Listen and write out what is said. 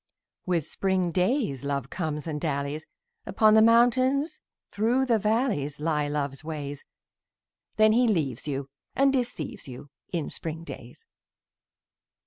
With spring days Love comes and dallies: Upon the mountains, through the valleys Lie Love's ways. Then he leaves you and deceives you In spring days.